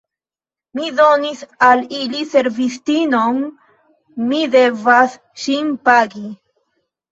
Mi donis al ili servistinon, mi devas ŝin pagi.